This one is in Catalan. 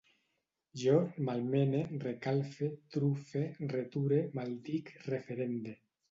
Jo malmene, recalfe, trufe, reture, maldic, referende